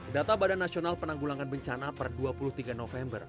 data badan nasional penanggulangan bencana per dua puluh tiga november